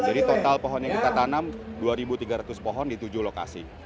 jadi total pohon yang kita tanam dua tiga ratus pohon di tujuh lokasi